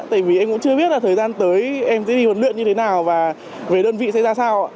tại vì anh cũng chưa biết là thời gian tới em sẽ đi huấn luyện như thế nào và về đơn vị sẽ ra sao ạ